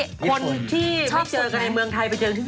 คนที่ชอบเจอกันในเมืองไทย